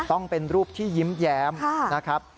ต้องเป็นรูปที่ยิ้มแย้มนะครับ